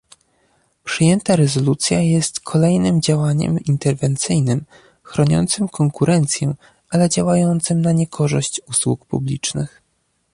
Przyjęta rezolucja jest kolejnym działaniem interwencyjnym chroniącym konkurencję ale działającym na niekorzyść usług publicznych